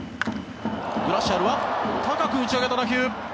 グラシアルは高く打ち上げた打球。